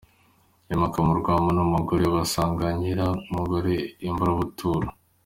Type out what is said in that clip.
Yimuka mu Rwampara n’umugore we, basanga Nyirakamugore i Mburabuturo.